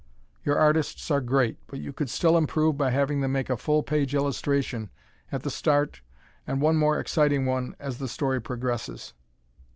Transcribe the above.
Your artists are great, but you could still improve by having them make a full page illustration at the start and one more exciting one as the story progresses.